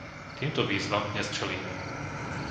Týmto výzvam dnes čelíme.